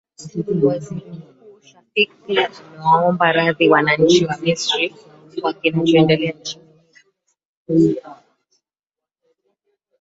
waziri mkuu shafik pia amewaomba radhi wananchi wa misri kwa kinachoendelea nchini humo